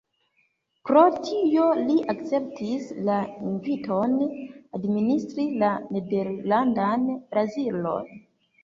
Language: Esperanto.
Pro tio, li akceptis la inviton administri la Nederlandan Brazilon.